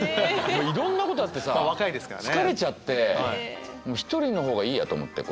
いろんなことあってさ疲れちゃって１人のほうがいいやと思って。